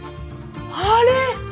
あれ？